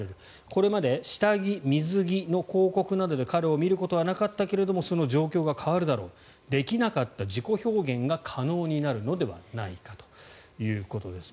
これまで下着、水着の広告などで彼を見ることはなかったけれどもその状況が変わるだろうできなかった自己表現が可能になるのではないかということです。